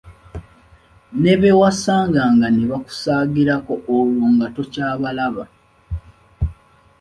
Ne be wasanganga ne bakusaagirako olwo nga tokyabalaba.